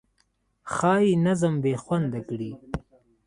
ښایي نظم بې خونده کړي.